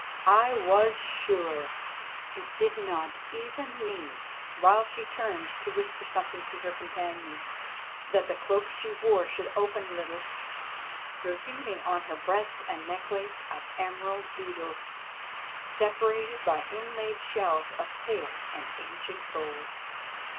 I was sure. It did not even need, while she turned to whisper something to her companion, that the cloak she wore should open a little, revealing on her breast a necklace of emerald beetles separated by inlaid shells of pale and ancient gold.